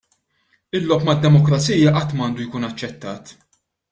Il-logħob mad-Demokrazija qatt m'għandu jkun aċċettat.